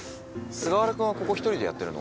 菅原君はここ一人でやってるの？